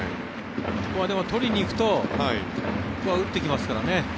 ここは、でも取りに行くとここは打ってきますからね。